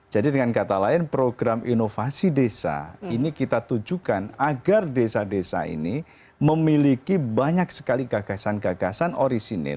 dengan kata lain program inovasi desa ini kita tujukan agar desa desa ini memiliki banyak sekali gagasan gagasan orisinil